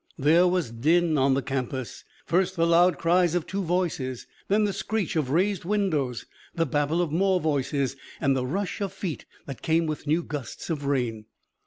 There was din on the campus. First the loud cries of two voices. Then the screech of raised windows, the babble of more voices, and the rush of feet that came with new gusts of rain.